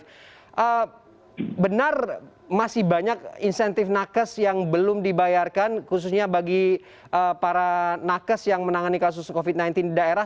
oke benar masih banyak insentif nakes yang belum dibayarkan khususnya bagi para nakes yang menangani kasus covid sembilan belas di daerah